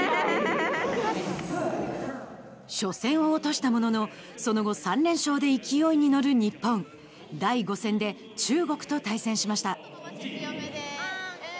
初戦を落としたもののその後３連勝で勢いに乗る日本第５戦で中国と対戦しました。